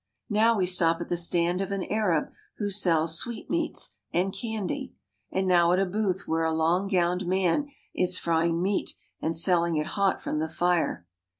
Now we stop at the stand of an Arab who sells sweet meats and candy, and now at a booth where a long gowned man is frying meat and selling it hot from the fire.